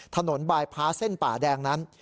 ถนนบายพ้าเส้นป่าแดงนั้น